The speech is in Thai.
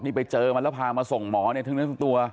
นี่ไปเจอมันแล้วพามาส่งหมอนะทั้งนั้นสักตัว